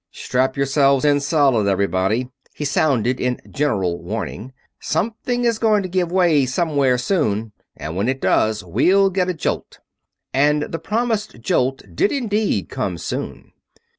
"Strap yourselves in solid, everybody!" he sounded in general warning. "Something is going to give way somewhere soon, and when it does we'll get a jolt!" And the promised jolt did indeed come soon.